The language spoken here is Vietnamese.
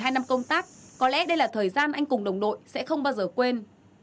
hai năm công tác có lẽ đây là thời gian anh cùng đồng đội sẽ không bao giờ quên